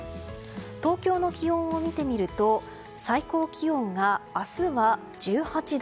東京の気温を見てみると最高気温が明日は１８度。